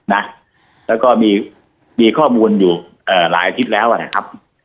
นะแล้วก็มีมีข้อมูลอยู่เอ่อหลายอาทิตย์แล้วอ่ะนะครับ